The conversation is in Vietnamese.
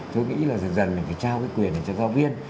tôi nghĩ là dần dần mình phải trao quyền này cho giáo viên